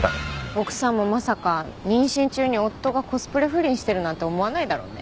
奥さんもまさか妊娠中に夫がコスプレ不倫してるなんて思わないだろうね。